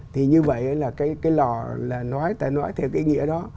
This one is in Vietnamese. thì như vậy là cái lò là nói ta nói theo cái ý